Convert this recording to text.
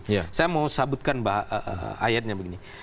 saya mau sabutkan ayatnya begini